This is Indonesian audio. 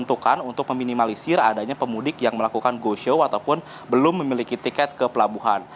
untuk meminimalisir adanya pemudik yang melakukan go show ataupun belum memiliki tiket ke pelabuhan